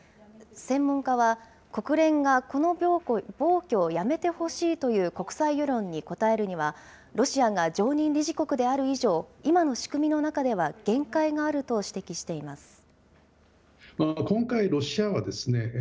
専門家は、国連が、この暴挙をやめてほしいという国際世論に応えるには、ロシアが常任理事国である以上、今の仕組みの中では限界があると指摘しています。